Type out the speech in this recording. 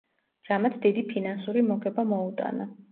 რამაც დიდი ფინანსური მოგება მოუტანა.